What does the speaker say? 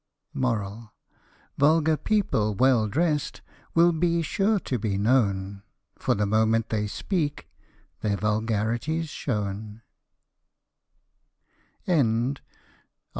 " Vulgar people well drest will be sure to be known ; For the moment they speak, their vulgarity's shown.